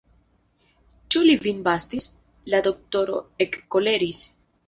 Ĉu li vin batis!? La doktoro ekkoleris.